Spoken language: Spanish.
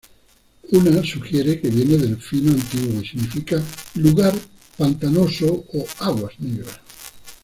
Una sugiere que viene del fino antiguo y significa "lugar pantanoso o aguas negras".